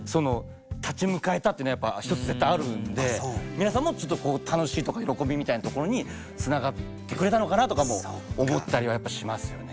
皆さんもちょっとこう楽しいとか喜びみたいなところにつながってくれたのかなとかも思ったりはやっぱしますよね。